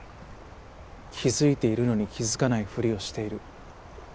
気づいているのに気づかないふりをしている。